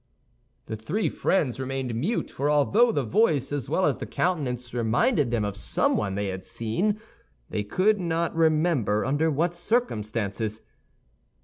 The three friends remained mute—for although the voice as well as the countenance reminded them of someone they had seen, they could not remember under what circumstances.